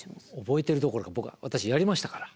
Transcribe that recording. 覚えてるどころか私やりましたから。